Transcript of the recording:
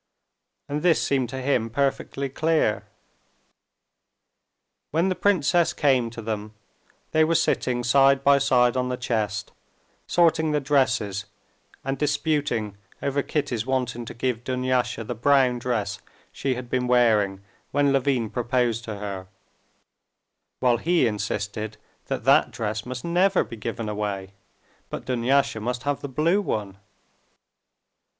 And this seemed to him perfectly clear. When the princess came to them, they were sitting side by side on the chest, sorting the dresses and disputing over Kitty's wanting to give Dunyasha the brown dress she had been wearing when Levin proposed to her, while he insisted that that dress must never be given away, but Dunyasha must have the blue one.